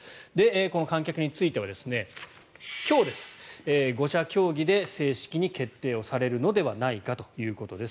この観客については今日、５者協議で正式に決定をされるのではないかということです。